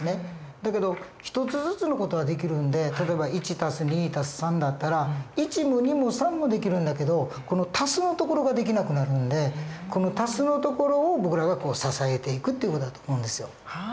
だけど一つずつの事はできるんで例えば１＋２＋３だったら１も２も３もできるんだけどこの＋のところができなくなるんでこの＋のところを僕らが支えていくっていう事だと思うんですよ。